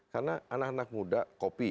karena anak anak muda kopi